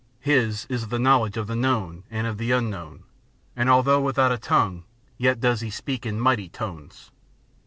His is the knowledge of the known and of the unknown, and although without a tongue, yet does he speak in mighty tones.